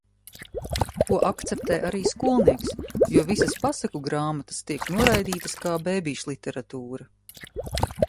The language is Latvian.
Ko akceptē arī skolnieks, jo visas pasaku grāmatas tiek noraidītas kā bebīšliteratūra.